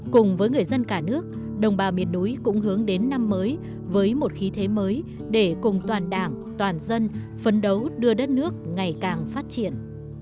cùng với người dân cả nước đồng bào miền núi cũng hướng đến năm mới với một khí thế mới để cùng toàn đảng toàn dân phấn đấu đưa đất nước ngày càng phát triển